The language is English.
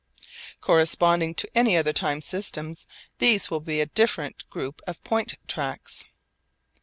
Corresponding to any other time system these will be a different group of point tracks.